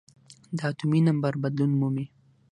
د اتومي نمبر بدلون مومي .